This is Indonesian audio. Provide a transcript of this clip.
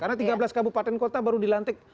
karena tiga belas kabupaten kota baru dilantik